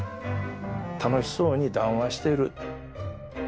楽しそうに談話してる。